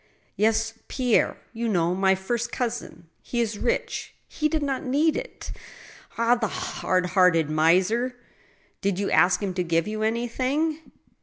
" Yes, Pierre — ^you know — my first cousin. He is rich ; he did not need it Ah ! the hard hearted miser !"" Did you ask him to give you anything